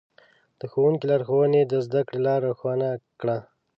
د ښوونکي لارښوونې د زده کړې لاره روښانه کړه.